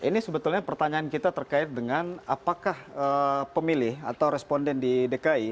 ini sebetulnya pertanyaan kita terkait dengan apakah pemilih atau responden di dki